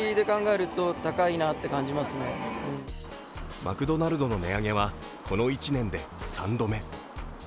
マクドナルドの値上げはこの１年で３度目。